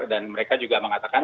dan mereka juga mengatakan